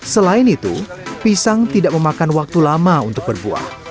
selain itu pisang tidak memakan waktu lama untuk berbuah